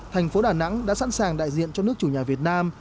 thành phố đà nẵng đã sẵn sàng đại diện cho nước chủ nhà việt nam